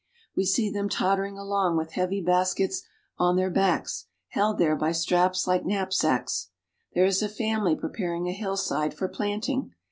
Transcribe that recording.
We see them tottering along with heavy baskets on their backs, held there by straps like knapsacks. There is a family preparing a hillside for planting!